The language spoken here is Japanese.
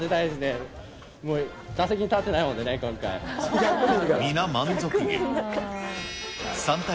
打席に立ってないもんでね、今回。